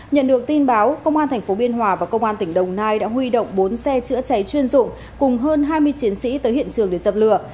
nhận được tin báo công an tp biên hòa và công an tỉnh đồng nai đã huy động bốn xe chữa cháy chuyên dụng cùng hơn hai mươi chiến sĩ tới hiện trường để dập lửa